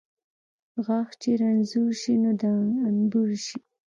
غاښ چې رنځور شي، نور د انبور شي.